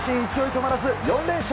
止まらず４連勝。